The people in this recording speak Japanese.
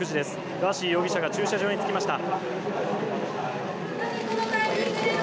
ガーシー容疑者が駐車場に着きました。